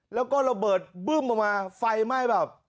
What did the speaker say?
แล้วก็ระเบิดบึ้มออกมาไฟไหม้แบบ